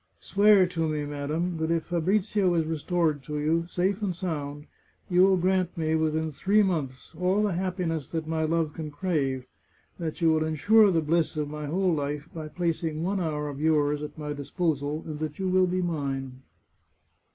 Swear to me, madam, that if Fabrizio is restored to you, safe and sound, you will grant me, within three months, all the happiness that my love can crave ; that you will ensure the bliss of my whole life by placing one hour of yours at my disposal, and that you will be mine